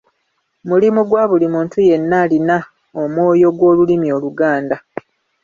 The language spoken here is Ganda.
Mulimu gwa buli muntu yenna alina omwoyo gw'olulimi Oluganda.